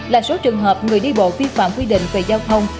bốn trăm hai mươi ba là số trường hợp người đi bộ vi phạm quy định về giao thông